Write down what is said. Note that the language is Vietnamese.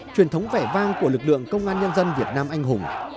truyền thống vẻ vang của lực lượng công an nhân dân việt nam anh hùng